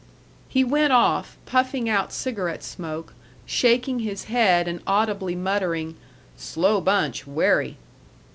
He went off, puffing out cigarette smoke, shaking his head and audibly muttering, "Slow bunch, werry."